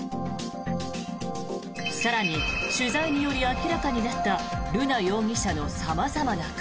更に、取材により明らかになった瑠奈容疑者の様々な顔。